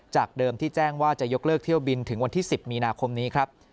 จากเดิมที่แจ้งว่าจะยกเลิกเที่ยวบินถึงวันที่๑๐มีนาคมนี้ครับ